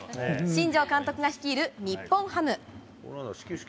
新庄監督が率いる日本ハム。